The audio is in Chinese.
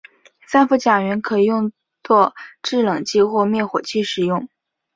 三氟甲烷可用作制冷剂或灭火剂使用。